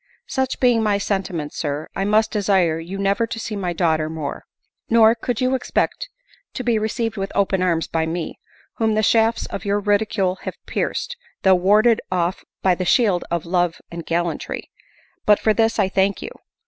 Such being my sentiments. Sir, I must desire you never to see my daughter more. Nor could you expect to be received with open arms by me, whom the shafts of your ridicule have pierced, though warded off by the shield of love and gallantry ; but for this I thank you